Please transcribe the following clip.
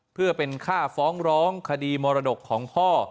เพื่อเป็นค่าฟ้องร้องคดีมรดกของพ่อ